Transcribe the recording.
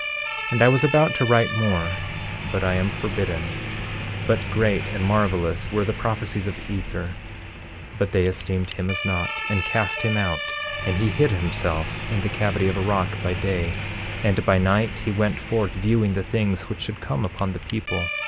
13:13 And I was about to write more, but I am forbidden; but great and marvelous were the prophecies of Ether; but they esteemed him as naught, and cast him out; and he hid himself in the cavity of a rock by day, and by night he went forth viewing the things which should come upon the people.